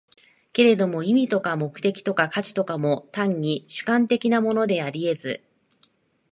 けれども意味とか目的とか価値とかも、単に主観的なものであり得ず、